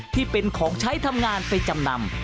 ที่เป็นของใช้ทำงานไปจำนำ